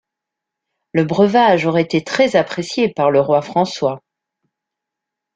Le breuvage aurait été très apprécié par le roi François.